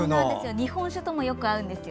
日本酒ともよく合うんですよ。